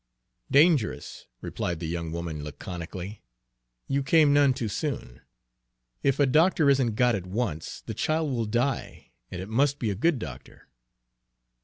"Dangerous," replied the young woman laconically. "You came none too soon. If a doctor isn't got at once, the child will die, and it must be a good doctor."